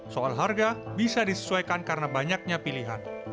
soal harga bisa disesuaikan karena banyaknya pilihan